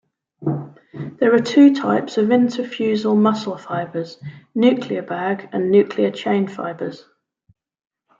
There are two types of intrafusal muscle fibers: nuclear bag and nuclear chain fibers.